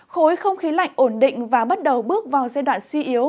khối không khí lạnh ổn định và bắt đầu bước vào giai đoạn suy yếu